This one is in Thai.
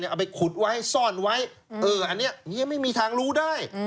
เอาไปขุดไว้ซ่อนไว้อันนี้ยังไม่มีทางรู้ได้